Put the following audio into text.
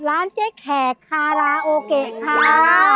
ร้านเจ๊แขกค่ะร้านโอเคค่ะ